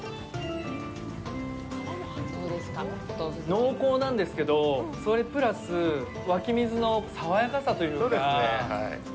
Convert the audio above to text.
濃厚なんですけど、それプラス湧き水の爽やかさというか。